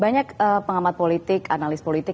banyak pengamat politik analis politik